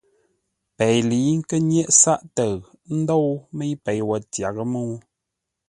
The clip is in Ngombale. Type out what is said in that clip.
Pei lə̌i kə́ nyéʼ sáʼ-təʉ ə́ ndóu mə́i pei wo tyaghʼə́ mə́u.